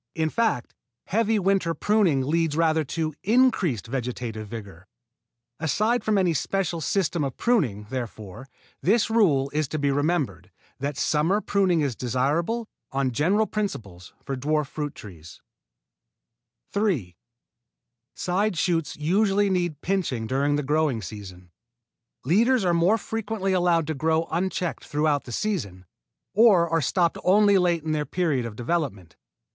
In fact, heavy winter pruning leads rather to increased vegetative vigor. Aside from any special system of pruning, therefore, this rule is to be remembered, that summer pruning is desirable, on general principles, for dwarf fruit trees. [Illustration: FIG. 10 BUSH APPLE, THREE YEARS OLD Showing strong leaders formed during the summer] 3. Side shoots usually need pinching during the growing season. Leaders are more frequently allowed to grow unchecked throughout the season, or are stopped only late in their period of development.